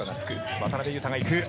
渡邊雄太が行く。